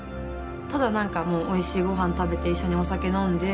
ただ何かおいしいごはん食べて一緒にお酒飲んで。